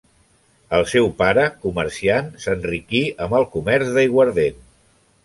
El seu pare, comerciant, s'enriquí amb el comerç d'aiguardent.